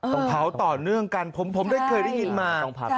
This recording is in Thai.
ต้องเผาต่อเนื่องกันผมได้เคยได้ยินมา